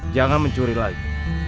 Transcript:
jangan mencuri lagi